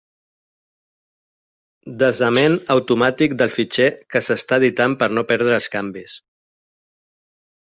Desament automàtic del fitxer que s'està editant per no perdre els canvis.